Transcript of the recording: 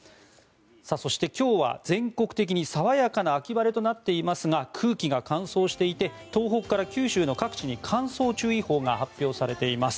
そして、今日は全国的に爽やかな秋晴れとなっていますが空気が乾燥していて東北から九州の各地に乾燥注意報が発表されています。